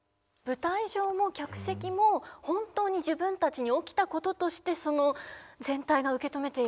舞台上も客席も本当に自分たちに起きたこととして全体が受け止めているっていうことですよね。